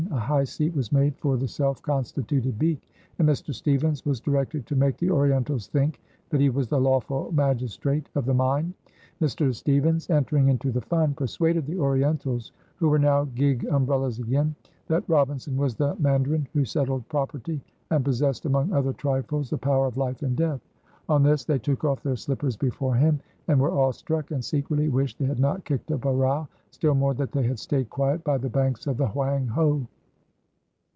A high seat was made for the self constituted beak, and Mr. Stevens was directed to make the Orientals think that he was the lawful magistrate of the mine. Mr. Stevens, entering into the fun, persuaded the Orientals, who were now gig umbrellas again, that Robinson was the mandarin who settled property, and possessed, among other trifles, the power of life and death. On this they took off their slippers before him, and were awestruck, and secretly wished they had not kicked up a row, still more that they had stayed quiet by the banks of the Hoang ho.